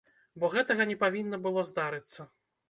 Бо гэтага не павінна было здарыцца.